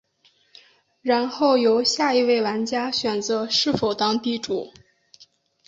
然后由下一位玩家选择是否当地主。